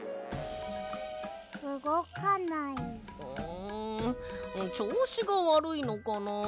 んちょうしがわるいのかなあ？